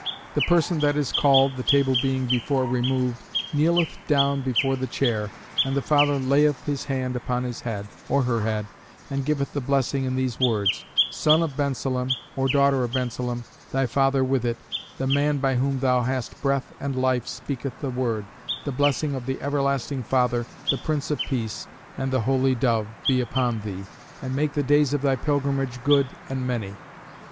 The person that is called (the table being before removed) kneeleth down before the chair, and the father layeth his hand upon his head, or her head, and giveth the blessing in these words: Son of Bensalem, (or daughter of Bensalem,) thy father with it: the man by whom thou hast breath and life speaketh the word: the blessing of the everlasting Father, the Prince of Peace, and the Holy Dove, be upon thee, and make the days of thy pilgrimage good and many.